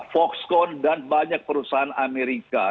foxcon dan banyak perusahaan amerika